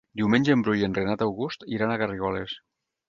Diumenge en Bru i en Renat August iran a Garrigoles.